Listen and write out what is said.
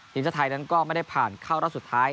ทีมชาติไทยนั้นก็ไม่ได้ผ่านเข้ารอบสุดท้าย